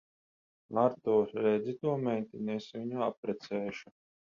Artūr, redzi to meiteni? Es viņu apprecēšu.